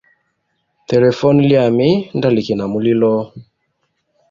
Telefone lyami nda liki na mulilo.